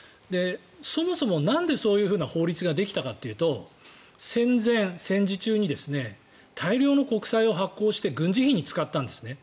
そもそもなんでそういう法律ができたかというと戦前、戦時中に大量の国債を発行して軍事費に使ったんですね。